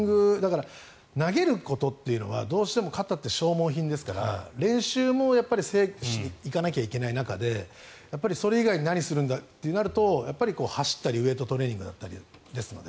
投げることというのはどうしても肩って消耗品ですから練習もセーブしていかないといけない中でやっぱりそれ以外に何するんだとなると走ったりウェートトレーニングですので。